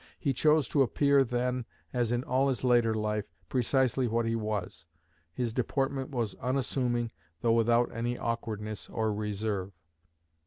He chose to appear then, as in all his later life, precisely what he was. His deportment was unassuming, though without any awkwardness of reserve."